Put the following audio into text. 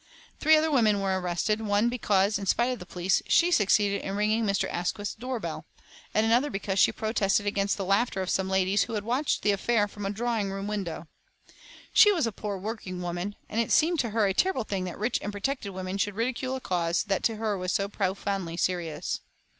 Three other women were arrested, one because, in spite of the police, she succeeded in ringing Mr. Asquith's door bell and another because she protested against the laughter of some ladies who watched the affair from a drawing room window. She was a poor working woman, and it seemed to her a terrible thing that rich and protected women should ridicule a cause that to her was so profoundly serious.